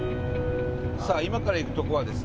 さあ今から行く所はですね